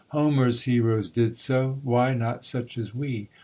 Homer's heroes did so, Why not such as we?